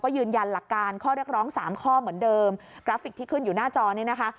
ยืนยันหลักการข้อเรียกร้องสามข้อเหมือนเดิมกราฟิกที่ขึ้นอยู่หน้าจอนี้นะคะ